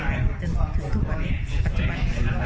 ถึงถึงทุกวันปัจจุบัน